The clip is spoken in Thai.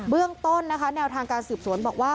เรื่องต้นนะคะแนวทางการสืบสวนบอกว่า